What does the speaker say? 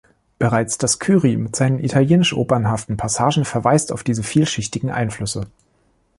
Bereits das Kyrie mit seinen italienisch-opernhaften Passagen verweist auf diese vielschichtigen Einflüsse.